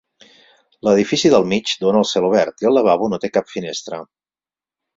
L'edifici del mig dona al celobert i el lavabo no té cap finestra.